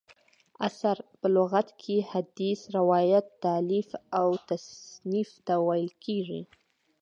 اثر: په لغت کښي حدیث، روایت، تالیف او تصنیف ته ویل کیږي.